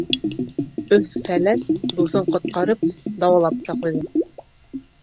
Өф-Фәләс дуҫын ҡотҡарып, дауалап та ҡуйҙы.